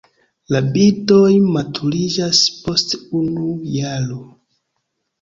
La birdoj maturiĝas post unu jaro.